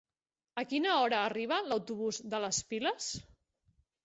A quina hora arriba l'autobús de les Piles?